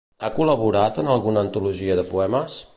Ha col·laborat en alguna antologia de poemes?